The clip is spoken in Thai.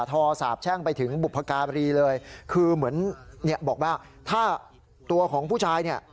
สาบแช่งไปถึงบุพการีเลยคือเหมือนเนี่ยบอกว่าถ้าตัวของผู้ชายเนี่ย